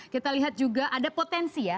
kita lihat juga ada potensi ya